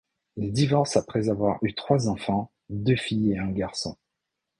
Ils divorcent après avoir eu trois enfants, deux filles et un garçon.